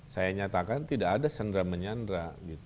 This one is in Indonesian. saya nyatakan tidak ada sandra menyandra